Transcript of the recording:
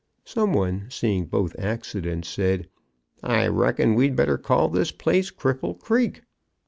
Some one, seeing both accidents, said: "I reckon we'd better call this place Cripple Creek."